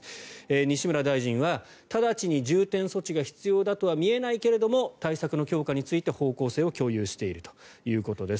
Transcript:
西村大臣は直ちに重点措置が必要だとは見えないけれども対策の強化について方向性を共有しているということです。